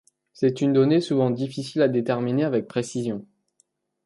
C'est une donnée souvent difficile à déterminer avec précision.